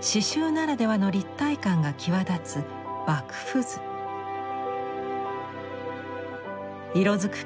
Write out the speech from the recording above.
刺繍ならではの立体感が際立つ色づく